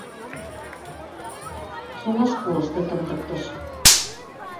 Сола школышты тымдыктыш.